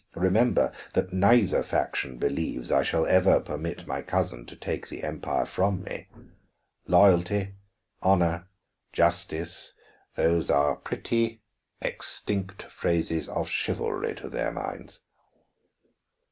Remember that neither faction believes I shall ever permit my cousin to take the Empire from me. Loyalty, honor, justice, those are pretty, extinct phrases of chivalry to their minds."